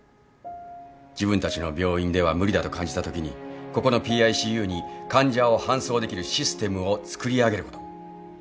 自分たちの病院では無理だと感じたときにここのＰＩＣＵに患者を搬送できるシステムを作り上げること。